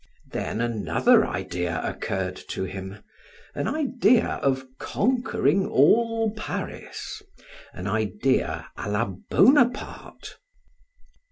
Then another idea occurred to him an idea of conquering all Paris an idea a la Bonaparte.